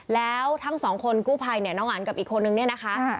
แล้วทั้งสองคนกู้ภัยเนี่ยน้องอันกับอีกคนนึงเนี่ยนะคะ